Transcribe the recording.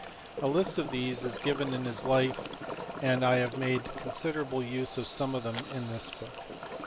A list of these is given in his life, and I have made considerable use of some of them in this book.